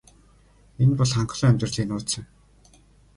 Энэ бол хангалуун амьдралын нууц юм.